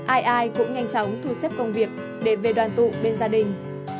ai ai cũng nhanh chóng thu xếp công việc để về đoàn tụ bên gia đình